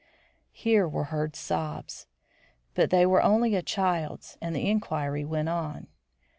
Here we heard sobs; but they were only a child's, and the inquiry went on.